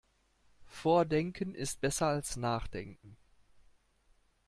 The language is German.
Vordenken ist besser als Nachdenken.